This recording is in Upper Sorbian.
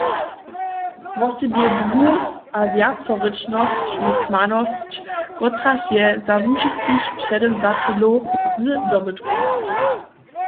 Wosebje dwu- a wjacerěčnosć je kmanosć, kotraž je za łužiskich předewzaćelow z dobytkom.